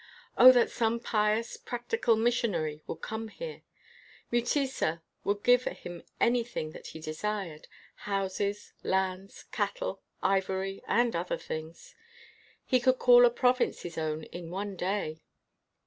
"Oh, that some pious, practical mission ary would come here! Mutesa would give him anything that he desired — houses, lands, cattle, ivory, and other things. He could call a province his own in one day.